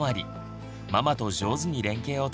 ママと上手に連携を取り